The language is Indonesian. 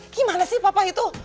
gimana sih papa itu